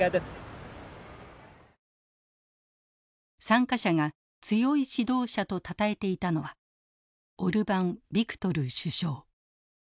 参加者が強い指導者とたたえていたのはオルバン・ビクトル首相。